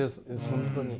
本当に。